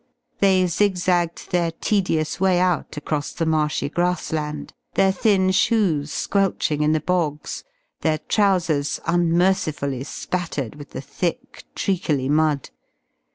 They zig zagged their tedious way out across the marshy grassland, their thin shoes squelching in the bogs, their trousers unmercifully spattered with the thick, treacley mud.